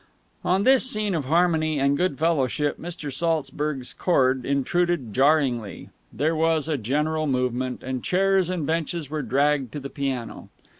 On this scene of harmony and good fellowship Mr. Saltzburg's chord intruded jarringly. There was a general movement, and chairs and benches were dragged to the piano.